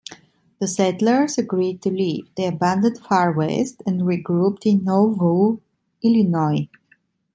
The settlers agreed to leave; they abandoned Far West and regrouped in Nauvoo, Illinois.